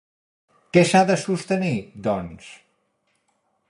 Què s'ha de sostenir, doncs?